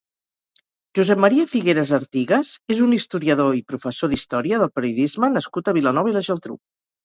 Josep Maria Figueres Artigues és un historiador i professor d'història del periodisme nascut a Vilanova i la Geltrú.